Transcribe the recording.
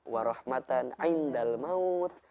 wa rahmatan indal mawth